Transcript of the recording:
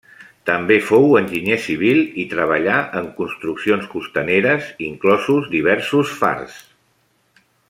També fou enginyer civil i treballà en construccions costaneres, inclosos diversos fars.